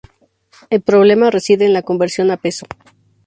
El problema reside en la conversión a peso.